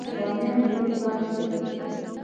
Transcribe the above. بامیان ملي پارک دی